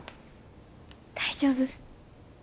大丈夫？